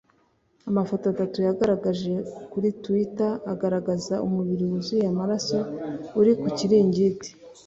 Amafoto atatu yagaragajwe kuri Twitter agaragaza umubiri wuzuye amaraso uri ku kiringiti